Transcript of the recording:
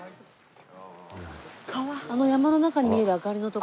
あの山の中に見える明かりの所？